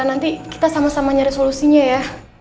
nanti kita sama sama nyari solusinya ya